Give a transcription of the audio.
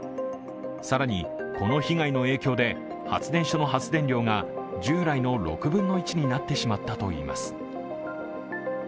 更に、この被害の影響で発電所の発電量が従来の６分の１になってしまったといいます。